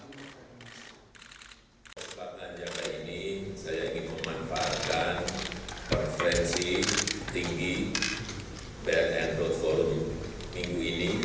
saya ingin memanfaatkan konferensi tinggi belt and road forum minggu ini